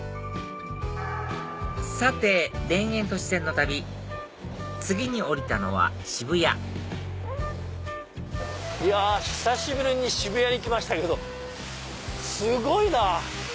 さて田園都市線の旅次に降りたのは渋谷久しぶりに渋谷に来ましたけどすごいなぁ。